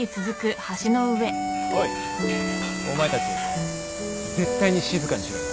おいお前たち絶対に静かにしろよ。